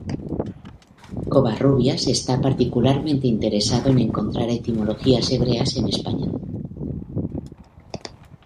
Covarrubias está particularmente interesado en encontrar etimologías hebreas en español.